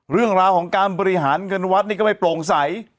เรื่องราวของการบริหารเงินวัดนี่ก็ไม่โปร่งใส